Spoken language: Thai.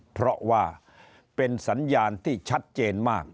เพราะว่าเป็นสัญญาณที่ชัดเจนมาก